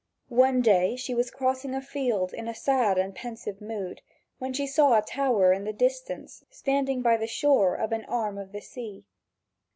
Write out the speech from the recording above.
One day she was crossing a field in a sad and pensive mood, when she saw a tower in the distance standing by the shore of an arm of the sea.